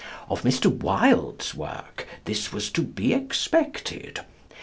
Of Mr. Wilde's work, this was to be expected.